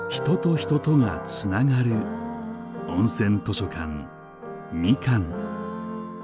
人と人とがつながる「おんせん図書館みかん」。